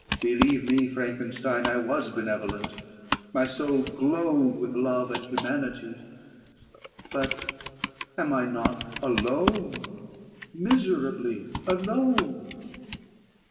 Believe me, Frankenstein: I was benevolent; my soul glowed with love and humanity: but am I not alone, miserably alone?